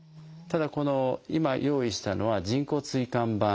ただこの今用意したのは人工椎間板。